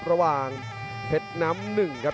ระหว่างเพชรน้ำหนึ่งครับ